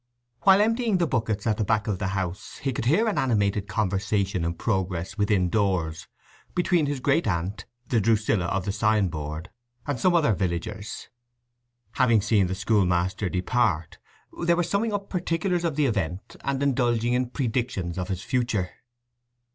While emptying the buckets at the back of the house he could hear an animated conversation in progress within doors between his great aunt, the Drusilla of the sign board, and some other villagers. Having seen the school master depart, they were summing up particulars of the event, and indulging in predictions of his future.